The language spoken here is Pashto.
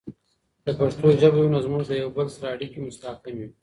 که پښتو ژبه وي، نو زموږ د یوه بل سره اړیکې مستحکم وي.